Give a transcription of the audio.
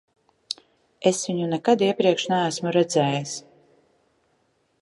Es viņu nekad iepriekš neesmu redzējis.